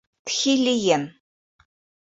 Тхи Лиен...